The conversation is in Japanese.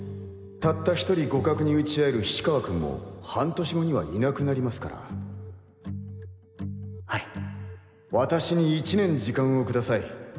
たった１人互角に打ち合える菱川君も半年後にはいなくなりますからはい私に１年時間をください。